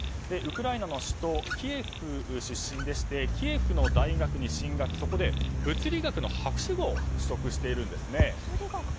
ウクライナの首都キエフ出身でしてキエフの大学に進学しそこで物理学の博士号を取得しているんですね。